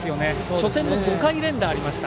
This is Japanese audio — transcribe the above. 初戦も５回連打がありました。